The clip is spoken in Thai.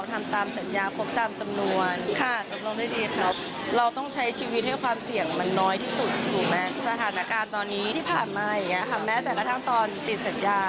ตอนนี้ที่ผ่านมาแม้แต่กระทั่งตอนติดสัญญา